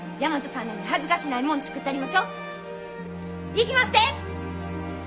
いきまっせ！